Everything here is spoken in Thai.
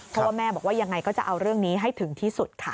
เพราะว่าแม่บอกว่ายังไงก็จะเอาเรื่องนี้ให้ถึงที่สุดค่ะ